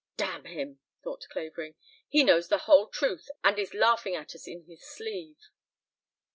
"Damn him!" thought Clavering. "He knows the whole truth and is laughing at us in his sleeve."